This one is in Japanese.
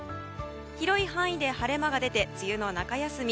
広い範囲で晴れ間が出て梅雨の中休み。